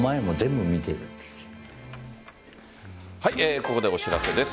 ここでお知らせです。